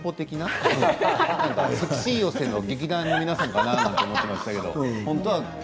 セクシー寄せの劇団の皆さんかなと思いましたけど。